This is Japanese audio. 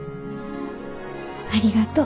ありがとう。